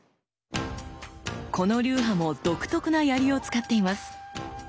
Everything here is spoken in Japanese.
この流派も独特な槍を使っています。